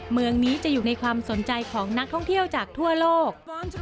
เมืองนี้จะอยู่ในความสนใจของนักท่องเที่ยวจากทั่วโลก